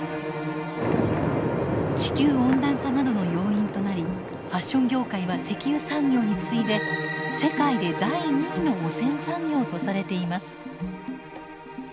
地球温暖化などの要因となりファッション業界は石油産業に次いで世界で第２位の汚染産業とされています。